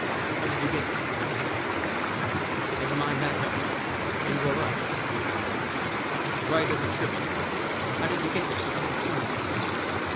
How did you get here?" "Never mind that, Doctor. Are you all right?" "Right as a trivet, old dear. How did you get here so opportunely?"